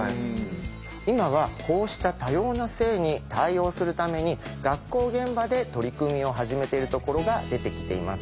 今はこうした多様な性に対応するために学校現場で取り組みを始めてるところが出てきています。